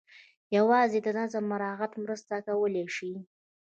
یوازې د نظم مراعات مرسته کولای شي.